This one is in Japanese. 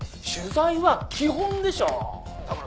取材は基本でしょ。